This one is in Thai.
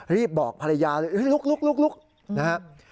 รีบบอกภรรยาเลยลุกนะครับ